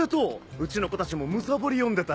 うちの子たちもむさぼり読んでた。